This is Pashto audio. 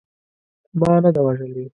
ما نه ده وژلې.